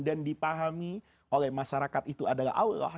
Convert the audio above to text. dan dipahami oleh masyarakat itu adalah allah